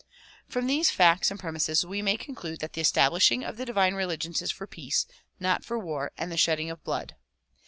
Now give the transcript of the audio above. From these facts and premises we may conclude that the estab lishing of the divine religions is for peace, not for war and the shedding of blood.